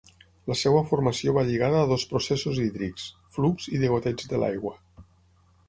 La seva formació va lligada a dos processos hídrics: flux i degoteig de l'aigua.